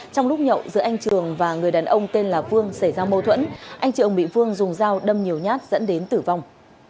trong lúc nhậu giữa anh trường và người đàn ông tên là vương xảy ra mâu thuẫn anh trường bị vương dùng dao đâm nhiều nhát dẫn đến tử vong